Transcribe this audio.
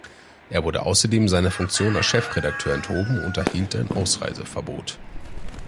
Er wurde außerdem seiner Funktion als Chefredakteur enthoben und erhielt ein Ausreiseverbot.